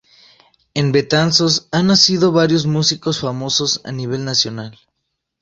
En Betanzos han nacido varios músicos famosos a nivel nacional.